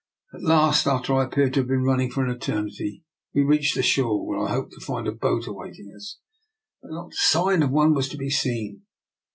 At last, after I appeared to have been running for an eternity, we reached the shore, where I hoped to find a boat awaiting us. But not a sign of one was to be seen.